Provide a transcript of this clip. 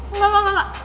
enggak enggak enggak